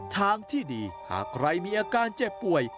ทางที่ดีหากใครมีอาการเจ็บป่วย